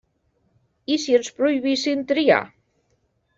I si ens prohibissin triar?